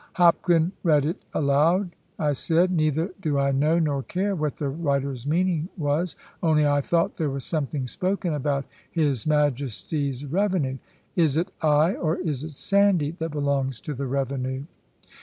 "Hopkin, read it aloud," I said; "neither do I know, nor care, what the writer's meaning was. Only I thought there was something spoken about his Majesty's revenue. Is it I, or is it Sandy, that belongs to the revenue?"